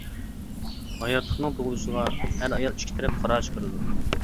ھاياتلىقنىڭ تۇغۇلۇشىغا ئەر-ئايال ئىككى تەرەپ قارار چىقىرىدۇ.